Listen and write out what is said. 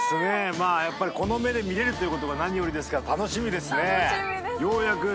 まあやっぱりこの目で見れるっていうことが何よりですから楽しみですね。